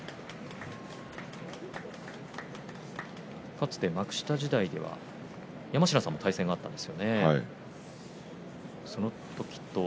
かつて、幕下時代では山科さんも対戦があったんですよね。